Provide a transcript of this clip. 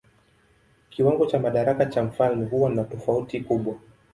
Kiwango cha madaraka cha mfalme huwa na tofauti kubwa.